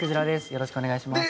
よろしくお願いします。